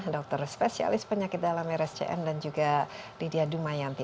dokter spesialis penyakit dalam rsjm dan juga lydia dumayanti